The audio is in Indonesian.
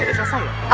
udah selesai ya